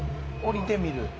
下りてみる。